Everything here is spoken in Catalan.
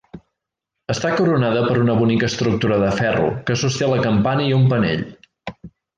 Està coronada per una bonica estructura de ferro que sosté la campana i un penell.